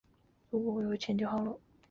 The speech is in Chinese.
其后他也曾在有线电视主持电视节目。